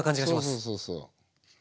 そうそうそうそう。